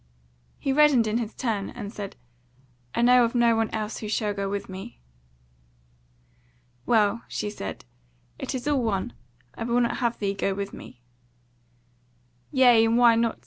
He reddened in his turn, and said: "I know of no one else who shall go with me." "Well," she said, "it is all one, I will not have thee go with me." "Yea, and why not?"